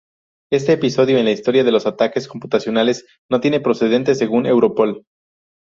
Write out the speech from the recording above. Este episodio en la historia de los ataques computacionales no tiene precedente según Europol.